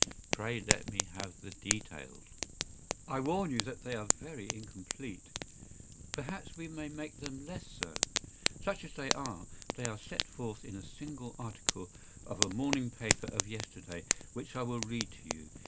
Pray let me have the details.” “I warn you that they are very incomplete.” “Perhaps we may make them less so.” “Such as they are, they are set forth in a single article of a morning paper of yesterday, which I will read to you.